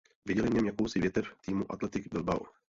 Viděli v něm jakousi větev týmu Athletic Bilbao.